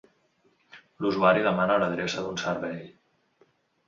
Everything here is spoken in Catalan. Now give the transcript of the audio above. L'usuari demana l'adreça d'un servei.